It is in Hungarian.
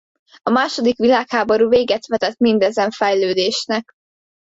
A második világháború véget vetett mindezen fejlődésnek.